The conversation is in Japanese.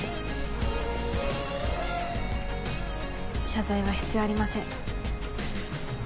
謝罪は必要ありません。